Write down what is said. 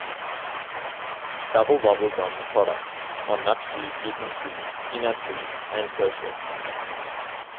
Dubble Bubble gum products are nut-free, gluten-free, peanut-free and kosher.